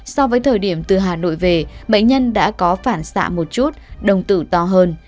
so với thời điểm từ hà nội về bệnh nhân đã có phản xạ một chút đồng tử to hơn